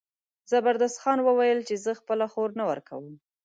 زبردست خان وویل چې زه خپله خور نه ورکوم.